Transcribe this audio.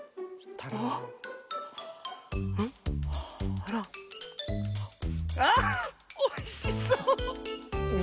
あら。あっおいしそう！